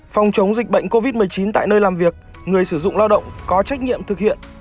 phòng chống dịch bệnh covid một mươi chín tại nơi làm việc người sử dụng lao động có trách nhiệm thực hiện